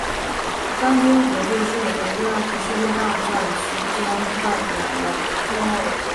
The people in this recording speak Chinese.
三军合作社在第二次世界大战其间扮演了重要的角色。